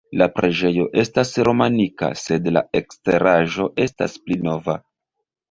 La preĝejo estas romanika sed la eksteraĵo estas pli nova.